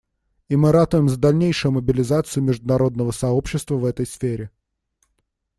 И мы ратуем за дальнейшую мобилизацию международного сообщества в этой сфере.